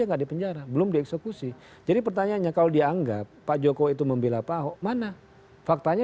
ingin jadi konsultan